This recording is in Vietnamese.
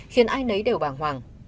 khiến ai nấy đều bảng hoàng